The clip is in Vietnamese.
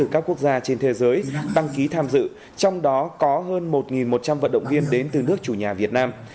các quốc gia trên thế giới đăng ký tham dự trong đó có hơn một một trăm linh vận động viên đến từ nước chủ nhà việt nam